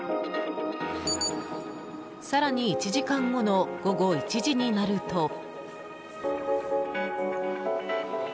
更に、１時間後の午後１時になると。